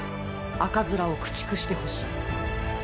赤面を駆逐してほしい！